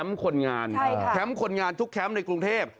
ครั้งคนงานจะหลงทุกครั้งในกรุงเทพ